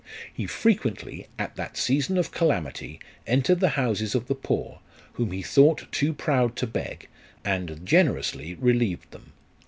He frequently, at that season of calamity, entered the houses of the poor, whom he thought too proud to beg, and generously relieved them.